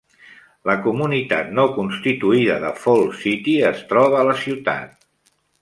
La comunitat no constituïda de Falls City es troba a la ciutat.